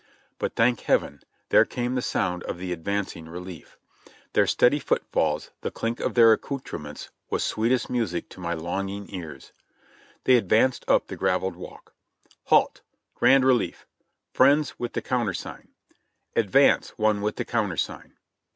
But, thank Heaven ! there came the sound of the advancing relief. Their steady footfalls, the clink of their accoutrements was sweetest music to my longing ears. They advanced up the gravelled walk, "Halt! Grand relief! Friends with the countersign," ''Advance, one with the countersign!"